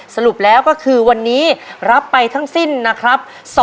สรุปแล้วก็คือวันนี้รับไปทั้งสิ้นนะครับ